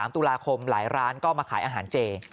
๓ตุลาคมหลายร้านก็มาขายอาหารเจ